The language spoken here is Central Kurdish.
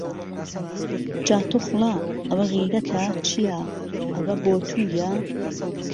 جا توخڵا ئهو غیرهته چییه ئهوه بۆ تویە